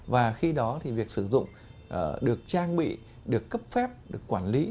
và khi đó thì việc sử dụng được trang bị được cấp phép được quản lý